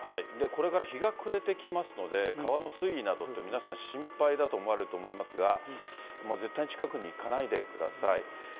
これから日が暮れてきますので、川の水位など皆さん、心配だと思われると思いますが、絶対に近くに行かないでください。